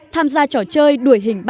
tham gia trò chơi đuổi hình